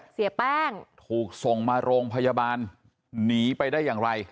เสียแป้งถูกส่งมาโรงพยาบาลหนีไปได้อย่างไร